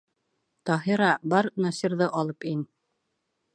Таһира, бар Насирҙы алып ин.